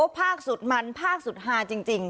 ภาคสุดมันภาคสุดฮาจริง